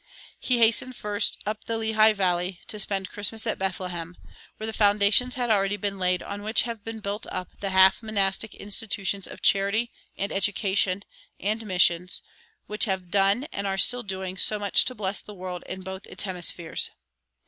He hastened first up the Lehigh Valley to spend Christmas at Bethlehem, where the foundations had already been laid on which have been built up the half monastic institutions of charity and education and missions which have done and are still doing so much to bless the world in both its hemispheres.